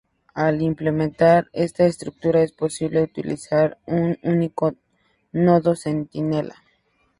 Al implementar esta estructura es posible utilizar un único nodo centinela.